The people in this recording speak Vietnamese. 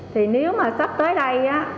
thì nếu mà sắp tới đây á